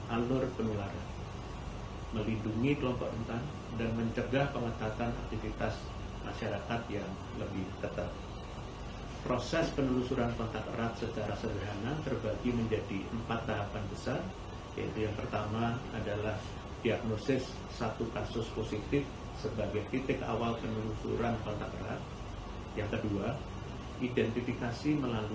akankah indonesia menerapkan aturan serupa terhadap wni yang saat ini berada di luar negeri terima kasih